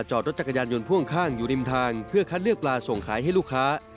จอดรถจักรยานยนต์พ่วงข้างอยู่ริมทางเพื่อคัดเลือกปลาส่งขายให้ลูกค้า